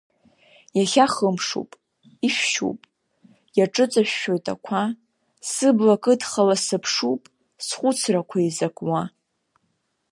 Иахьа хымшуп, ишәшьуп, иаҿыҵышәшәоит ақәа, сыбла кыдхало сыԥшуп, схәыцрақәа еизакуа.